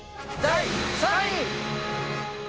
第３位。